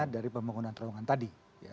dari pembangunan terowongan tadi